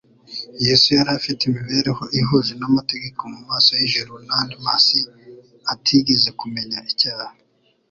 Yesu yari afite imibereho ihuje n'amategeko mu maso y'ijuru n'andi masi atigeze kumenya icyaha,